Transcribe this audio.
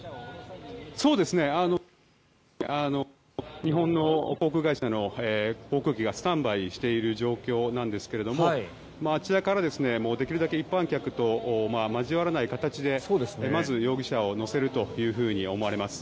日本の航空会社の航空機がスタンバイしている状況なんですけれどあちらから、できるだけ一般客と交わらない形でまず容疑者を乗せるというふうに思われます。